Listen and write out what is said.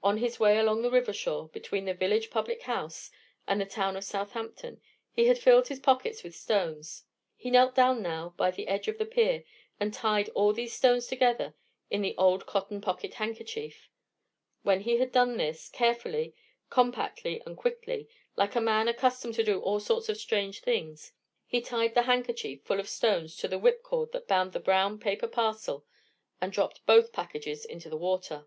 On his way along the river shore, between the village public house and the town of Southampton, he had filled his pockets with stones. He knelt down now by the edge of the pier, and tied all these stones together in an old cotton pocket handkerchief. When he had done this, carefully, compactly, and quickly, like a man accustomed to do all sorts of strange things, he tied the handkerchief full of stones to the whipcord that bound the brown paper parcel, and dropped both packages into the water.